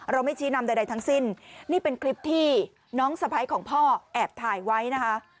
ไม่ชี้นำใดทั้งสิ้นนี่เป็นคลิปที่น้องสะพ้ายของพ่อแอบถ่ายไว้นะคะ